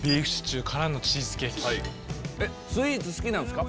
スイーツ好きなんすか。